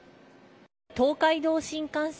東海道新幹線